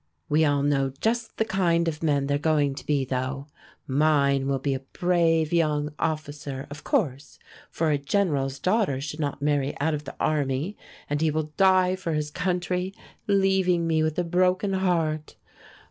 We all know just the kind of men they're going to be, though. Mine will be a brave young officer, of course, for a general's daughter should not marry out of the army, and he will die for his country, leaving me with a broken heart.